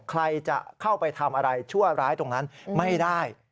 ใครจะเข้าไปทำอะไรชั่วร้ายตรงนั้นไม่ได้